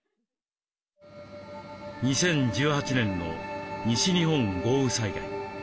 ２０１８年の西日本豪雨災害。